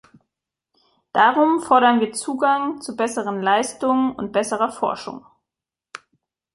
Darum fordern wir Zugang zu besseren Leistungen und besserer Forschung.